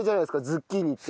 ズッキーニって。